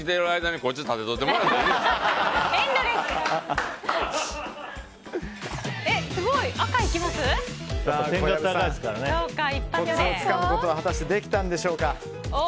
コツをつかむことは果たしてできたんでしょうか。